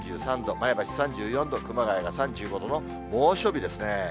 前橋３４度、熊谷が３５度の猛暑日ですね。